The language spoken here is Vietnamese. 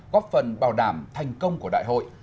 góp phần bảo đảm thành công của đại hội